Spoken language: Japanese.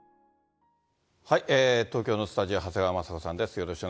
東京のスタジオ、長谷川まさ子さんです。